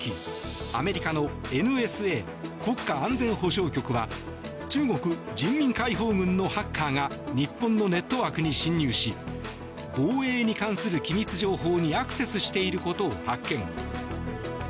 アメリカのＮＳＡ・国家安全保障局は中国・人民解放軍のハッカーが日本のネットワークに侵入し防衛に関する機密情報にアクセスしていることを発見。